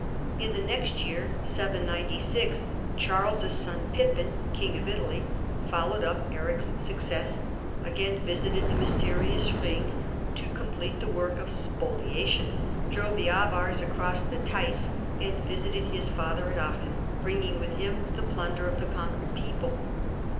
In the next year (796) Charles's son Pippin, King of Italy, followed up Eric's success ; again visited the mysterious ^/ m^ to complete the work of spoliation, drove the Avars across the Theiss, and visited his father at Aachen, bringing with him the plunder of the conquered people.